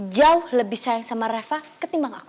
jauh lebih sayang sama reva ketimbang aku